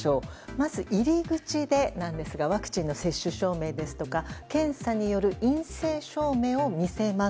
まず、入り口でなんですがワクチンの接種証明ですとか検査による陰性証明を見せます。